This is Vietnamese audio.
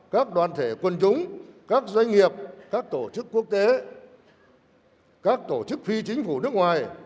các đoàn thể quân chúng các doanh nghiệp các tổ chức quốc tế các tổ chức phi chính phủ nước ngoài